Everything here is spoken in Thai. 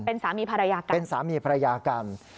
เป็นสามีภรรยากัน